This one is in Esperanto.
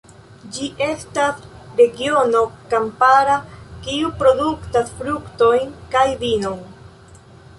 Ĝi estas regiono kampara, kiu produktas fruktojn kaj vinon.